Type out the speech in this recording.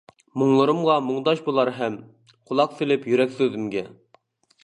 مۇڭلىرىمغا مۇڭداش بولار ھەم، قۇلاق سېلىپ يۈرەك سۆزۈمگە.